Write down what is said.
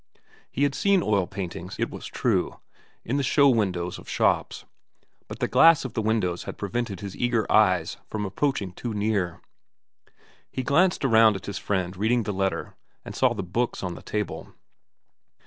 He had seen oil paintings, it was true, in the show windows of shops, but the glass of the windows had prevented his eager eyes from approaching too near. He glanced around at his friend reading the letter and saw the books on the table.